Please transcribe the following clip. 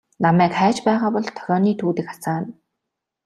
Намайг хайж байгаа бол дохионы түүдэг асаана.